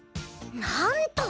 なんと！